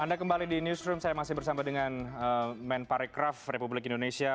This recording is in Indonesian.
anda kembali di newsroom saya masih bersama dengan men parekraf republik indonesia